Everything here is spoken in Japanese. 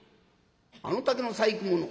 あの竹の細工物